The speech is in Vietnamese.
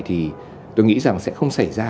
thì tôi nghĩ rằng sẽ không xảy ra